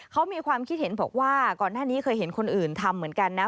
เขามีความคิดเห็นบอกว่าก่อนหน้านี้เคยเห็นคนอื่นทำเหมือนกันนะ